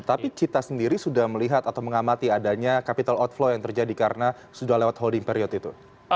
tapi cita sendiri sudah melihat atau mengamati adanya capital outflow yang terjadi karena sudah lewat holding period itu